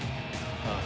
ああ。